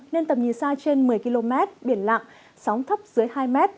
nên tầm nhìn xa trên một mươi km biển lặng sóng thấp dưới hai m